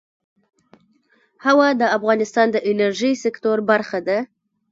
هوا د افغانستان د انرژۍ سکتور برخه ده.